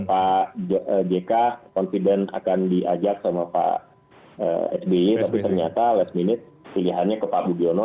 pak jk confident akan diajak sama pak sby tapi ternyata last minute pilihannya ke pak budiono